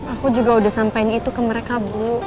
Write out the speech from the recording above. aku juga udah sampein itu ke mereka bu